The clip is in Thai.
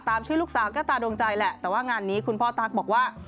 ชื่อลูกสาวก็ตาดวงใจแหละแต่ว่างานนี้คุณพ่อตั๊กบอกว่า